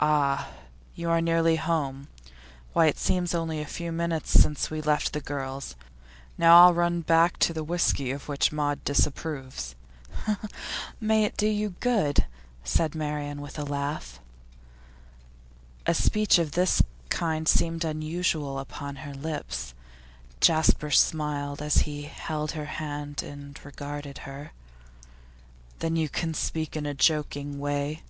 'Ah, you are nearly home. Why, it seems only a few minutes since we left the girls. Now I'll run back to the whisky of which Maud disapproves.' 'May it do you good!' said Marian with a laugh. A speech of this kind seemed unusual upon her lips. Jasper smiled as he held her hand and regarded her. 'Then you can speak in a joking way?